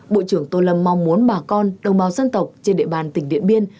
bộ trưởng tô lâm mong muốn bà con đồng bào dân tộc trên địa bàn tỉnh điện biên